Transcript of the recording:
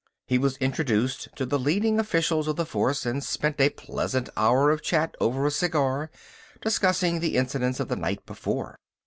He was introduced to the leading officials of the force, and spent a pleasant hour of chat over a cigar, discussing the incidents of the night before.